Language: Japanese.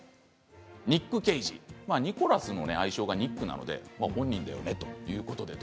ニック・ケイジニコラスの愛称がニックで本人だということですね。